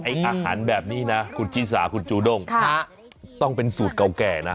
อาหารแบบนี้นะคุณชิสาคุณจูด้งต้องเป็นสูตรเก่าแก่นะ